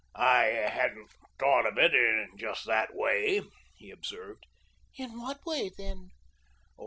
"I hadn't thought of it in just that way," he observed. "In what way, then?"